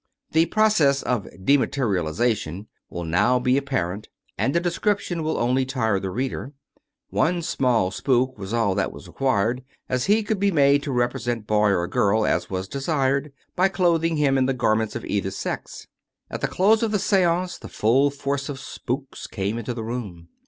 The process of dematerialization will now be appar ent, and a description will only tire the reader. One small spook was all that was required, as he could be made to represent boy or girl as was desired, by clothing him in the garments of either sex. At the close of the seance, the full force of " spooks " came into the room.